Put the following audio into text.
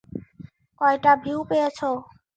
কয়টা ভিউ পেয়েছ?